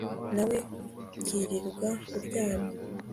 nawe ukilirwa uryamye